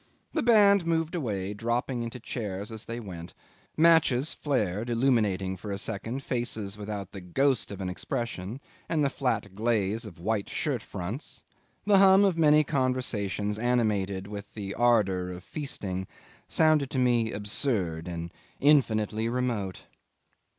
The band moved away, dropping into chairs as they went; matches flared, illuminating for a second faces without the ghost of an expression and the flat glaze of white shirt fronts; the hum of many conversations animated with the ardour of feasting sounded to me absurd and infinitely remote.